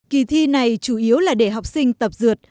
kỳ thi này chủ yếu là để học sinh tập dượt